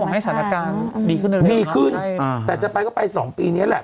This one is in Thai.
ให้สารการดีขึ้นด้วยดีขึ้นอ่าแต่จะไปก็ไปสองปีนี้แหละ